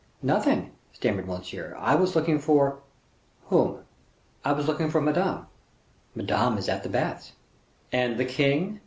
nothing," stammered Monsieur. "I was looking for " "Whom?" "I was looking for Madame." "Madame is at the baths." "And the king?"